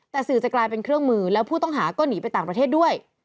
แต่สื่อจะกลายเป็นเครื่องมือแล้วผู้ต้องหาก็หนีไปต่างประเทศด้วย